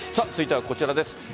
続いてはこちらです。